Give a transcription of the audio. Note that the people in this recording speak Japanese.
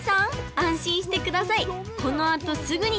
安心してください